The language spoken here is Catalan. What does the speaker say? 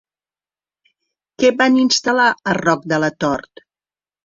Què van instal·lar a Roc de la Tor?